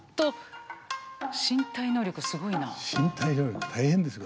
身体能力大変ですよ